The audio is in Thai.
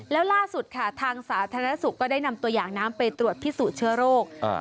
แล้วล่าสุดค่ะทางสาธารณสุขก็ได้นำตัวอย่างน้ำไปตรวจพิสูจน์เชื้อโรค